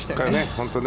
本当に。